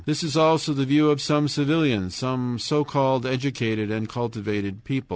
This is also the view of some civilians, so called educated and cultivated people.